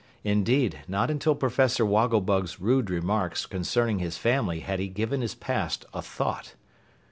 Indeed, not until Professor Wogglebug's rude remarks concerning his family had he given his past a thought.